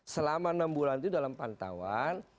selama enam bulan itu dalam pantauan